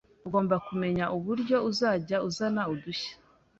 ugomba kumenya uburyo uzajya uzana udushya